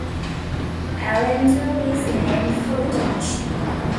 Allendale is named for the township.